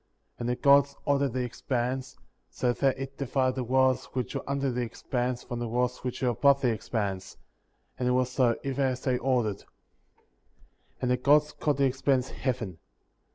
7. And the Gods ordered the expanse, so that it divided the waters which were under the expanse from the waters which were above the expanse; and it was so, even as they ordered.^ 8. And the Gods called the expanse. Heaven.